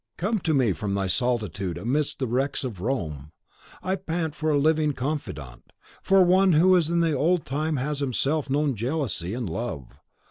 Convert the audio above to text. Come to me from thy solitude amidst the wrecks of Rome! I pant for a living confidant, for one who in the old time has himself known jealousy and love.